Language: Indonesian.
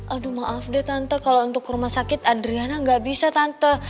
aduh maaf deh tante kalo untuk ke rumah sakit adriana gak bisa tante